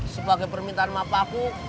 sebagai permintaan maaf aku